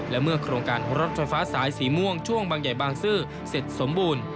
และเมื่อโครงการรถไฟฟ้าสายสีม่วงช่วงบางใหญ่บางซื่อเสร็จสมบูรณ์